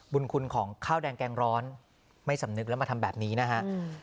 บุญคุณของข้าวแดงแกงร้อนไม่สำนึกแล้วมาทำแบบนี้นะฮะ